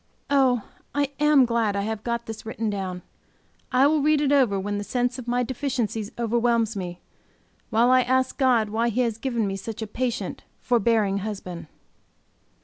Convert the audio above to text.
Oh, I am glad I have got this written down! I will read it over when the sense of my deficiencies overwhelms me, while I ask God why He has given me such a patient, forbearing husband.